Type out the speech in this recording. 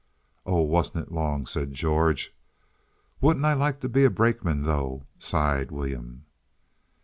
"Oh, wasn't it long?" said George. "Wouldn't I like to be a brakeman, though," sighed William.